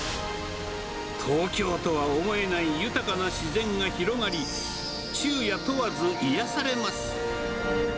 東京とは思えない豊かな自然が広がり、昼夜問わず、癒やされます。